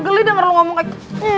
geli denger lo ngomong aja